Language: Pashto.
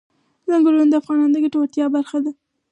چنګلونه د افغانانو د ګټورتیا برخه ده.